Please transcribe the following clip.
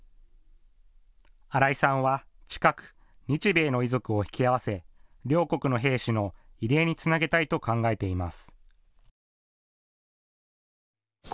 新井さんは近く、日米の遺族を引き合わせ両国の兵士の慰霊につなげたいと考えています。